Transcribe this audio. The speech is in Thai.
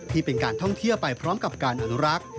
เป็นการท่องเที่ยวไปพร้อมกับการอนุรักษ์